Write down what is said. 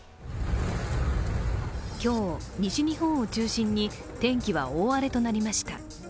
今日、西日本を中心に天気は大荒れとなりまた。